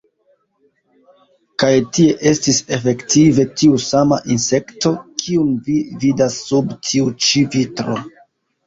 Kaj tie estis efektive tiu sama insekto, kiun vi vidas sub tiu ĉi vitro.